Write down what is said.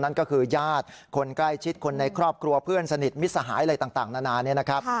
นั่นก็คือญาติคนใกล้ชิดคนในครอบครัวเพื่อนสนิทมิตรสหายอะไรต่างนานาเนี่ยนะครับ